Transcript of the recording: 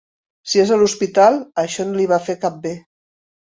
Si és a l'hospital, això no li va fer cap bé.